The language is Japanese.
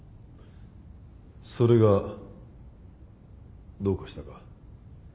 それがどうかしたか？